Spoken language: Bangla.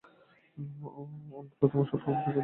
অন্তু, তোমার স্বভাব এক জায়গায় মেয়েদের মতো।